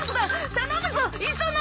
頼むぞ磯野！